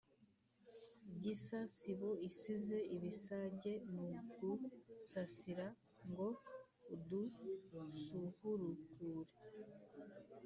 Gisa sibo isize ibisage n'ugusasira ngo udusuhurukure